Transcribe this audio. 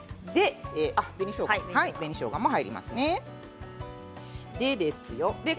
紅しょうがも入りますね。